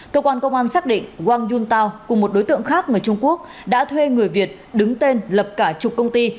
cơ quan công an xác định wang yuntao cùng một đối tượng khác người trung quốc đã thuê người việt đứng tên lập cả chục công ty